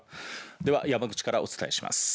では山口からお伝えします。